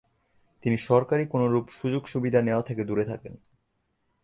তিনি সরকারি কোনোরুপ সুযোগ-সুবিধা নেওয়া থেকে দূরে থাকেন।